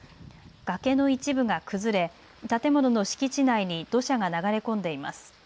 崖の一部が崩れ、建物の敷地内に土砂が流れ込んでいます。